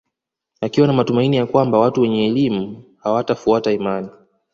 Akiwa na matumanini ya kwamba watu wenye elimu hawatafuata imani